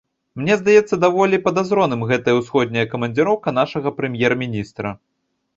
Мне здаецца даволі падазроным гэтая ўсходняя камандзіроўка нашага прэм'ер-міністра.